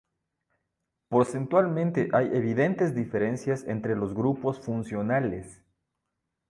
Porcentualmente hay evidentes diferencias entre los grupos funcionales.